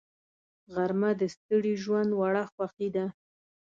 غرمه د ستړي ژوند وړه خوښي ده